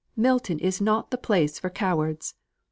Milton is not the place for cowards.